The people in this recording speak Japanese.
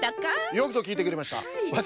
よくぞきいてくれました。